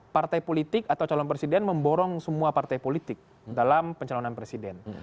partai politik atau calon presiden memborong semua partai politik dalam pencalonan presiden